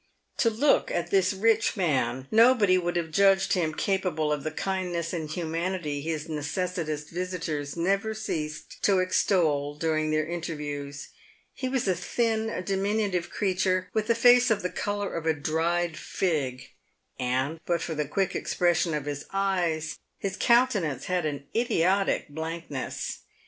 To look at this rich man, nobody would have judged him capable of the kindness and humanity his necessitous visitors never ceased to extol during their interviews. He was a thin, diminutive creature, with a face of the colour of a dried fig ; and, but for the quick expres sion of his eyes, his countenance had an idiotic blankness.